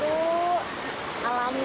pengunjung akan mengambil beberapa makanan